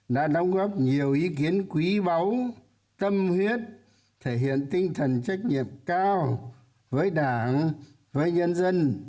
đã đóng góp nhiều ý kiến quý báu tâm huyết thể hiện tinh thần trách nhiệm cao với đảng với nhân dân